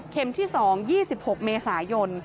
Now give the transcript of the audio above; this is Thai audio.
ที่๒๒๖เมษายน